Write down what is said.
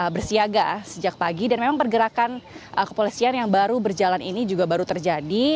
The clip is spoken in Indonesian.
bersiaga sejak pagi dan memang pergerakan kepolisian yang baru berjalan ini juga baru terjadi